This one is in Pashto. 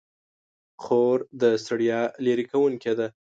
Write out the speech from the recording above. خور د ستړیا لیرې کوونکې ده.